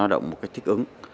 lao động một cách thích ứng